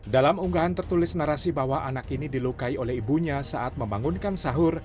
dalam unggahan tertulis narasi bahwa anak ini dilukai oleh ibunya saat membangunkan sahur